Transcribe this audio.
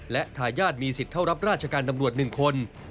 และทายาทมีสิทธิ์เข้ารับราชการตำรวจ๑คน